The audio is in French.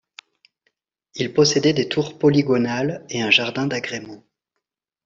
Il possédait des tours polygonales et un jardin d'agrément.